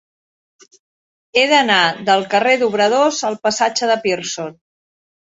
He d'anar del carrer d'Obradors al passatge de Pearson.